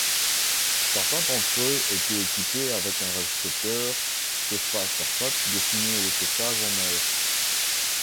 Certains d'entre eux étaient équipés avec un récepteur Cospas-Sarsat destiné au sauvetage en mer.